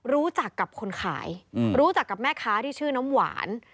รู้จักกับคนขายรู้จักกับแม่ค้าที่ชื่อน้ำหวาน